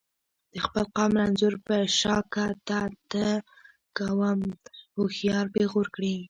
د خپل قام رنځور په شاکه ته ته کوم هوښیار پیغور کړي.